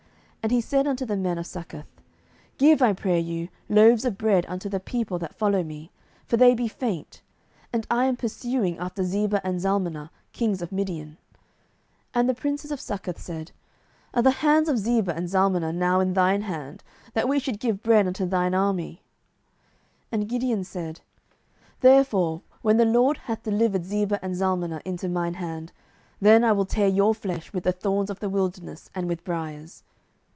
07:008:005 And he said unto the men of Succoth, Give, I pray you, loaves of bread unto the people that follow me; for they be faint, and I am pursuing after Zebah and Zalmunna, kings of Midian. 07:008:006 And the princes of Succoth said, Are the hands of Zebah and Zalmunna now in thine hand, that we should give bread unto thine army? 07:008:007 And Gideon said, Therefore when the LORD hath delivered Zebah and Zalmunna into mine hand, then I will tear your flesh with the thorns of the wilderness and with briers.